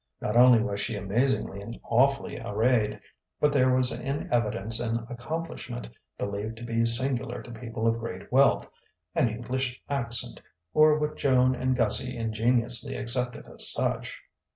Not only was she amazingly and awfully arrayed, but there was in evidence an accomplishment believed to be singular to people of great wealth, an "English accent" or what Joan and Gussie ingenuously accepted as such.